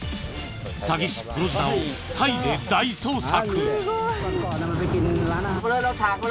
サギ師・黒ズナをタイで大捜索